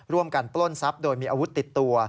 ร่วมกันปล้นทรัพย์โดยมีอาวุธติดตัว